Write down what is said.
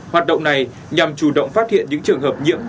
hoạt động này nhằm chủ động phát hiện những trường hợp nhiễm